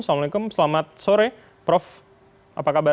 assalamualaikum selamat sore prof apa kabar